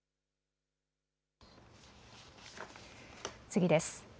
次です。